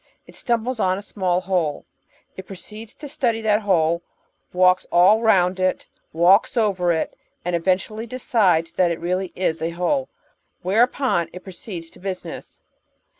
It stumbles on a small hole. It proceeds to study that hole, walks all round it, walks over it, and eventually decides that it really w a hole, whereupon it proceeds to business.